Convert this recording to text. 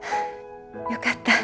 よかった。